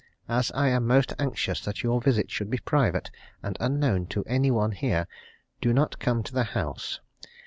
As I am most anxious that your visit should be private and unknown to any one here, do not come to the house.